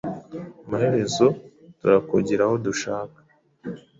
Amaherezo turakugira aho dushaka.